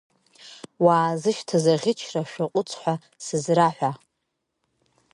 Уаазышьҭыз аӷьычра шәаҟәыҵ ҳәа сызраҳәа!